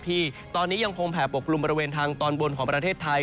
ที่ตอนนี้ยังคงแผ่ปกกลุ่มบริเวณทางตอนบนของประเทศไทย